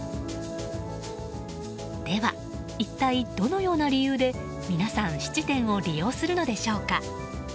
では、一体どのような理由で皆さん質店を利用するのでしょうか。